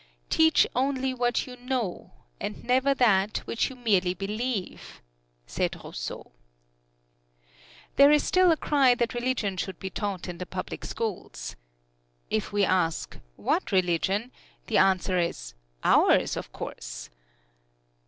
"Teach only what you know, and never that which you merely believe," said Rousseau. There is still a cry that religion should be taught in the public schools. If we ask, "What religion?" the answer is, "Ours, of course!"